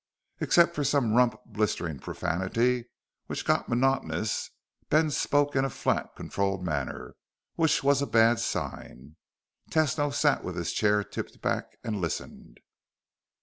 Except for some rump blistering profanity, which got monotonous, Ben spoke in a flat, controlled manner which was a bad sign. Tesno sat with his chair tipped back and listened.